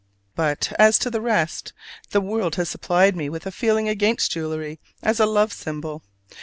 But, as to the rest, the world has supplied me with a feeling against jewelry as a love symbol.